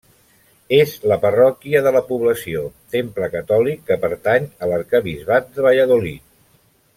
És la parròquia de la població, temple catòlic que pertany a l'arquebisbat de Valladolid.